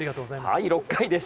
６回です。